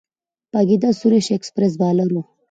وپاګیتا سريش ایکسپریس بالر وه.